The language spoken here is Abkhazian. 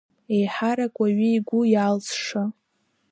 Еиҳарак уаҩы игәы иалсша.